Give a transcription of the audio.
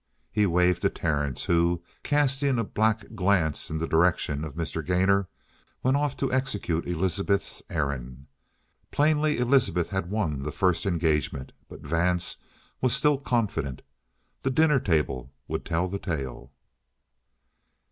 He waved to Terence, who, casting a black glance in the direction of Mr. Gainor, went off to execute Elizabeth's errand. Plainly Elizabeth had won the first engagement, but Vance was still confident. The dinner table would tell the tale.